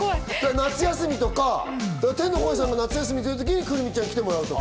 夏休みとか、天の声さんが夏休み取るときに来泉ちゃんに来てもらうとか。